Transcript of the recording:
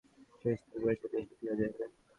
সে স্থির করিয়াছে, দেশে ফিরিয়া যাইবে।